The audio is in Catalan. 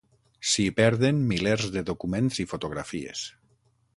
S'hi perden milers de documents i fotografies.